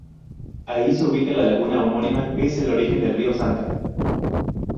Ahí se ubica la laguna homónima que es el origen del río Santa.